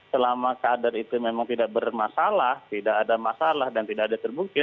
selama kader itu memang tidak bermasalah tidak ada masalah dan tidak ada terbukti